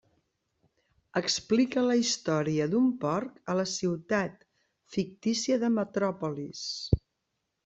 Explica la història d'un porc a la ciutat fictícia de Metròpolis.